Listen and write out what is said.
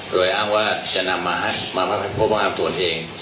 โดยอ้างว่าจะนำมาพักพบของอาปตัวเอง